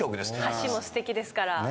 歌詞もすてきですから。